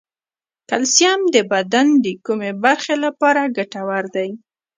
کلسیم د بدن د کومې برخې لپاره ګټور دی